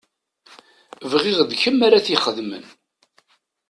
Bɣiɣ d kemm ara t-ixedmen.